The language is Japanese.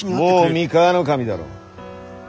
もう三河守だろ。